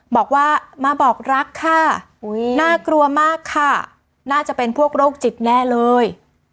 บอกว่ามาบอกรักค่ะน่ากลัวมากค่ะน่าจะเป็นพวกโรคจิตแน่เลย